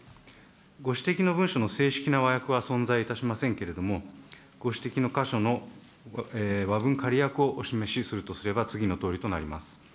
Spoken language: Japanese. ご指摘の文書の正式な和訳は存在いたしませんけれども、ご指摘の箇所の和文仮訳をお示しするとすれば、次のとおりとなります。